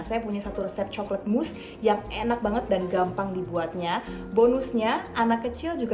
saya punya satu resep coklat mus yang enak banget dan gampang dibuatnya bonusnya anak kecil juga